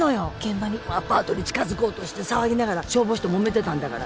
アパートに近づこうとして騒ぎながら消防士ともめてたんだから